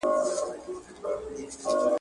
د يوه نوموړي کار تر سره کولو لاره پرانستې نه ده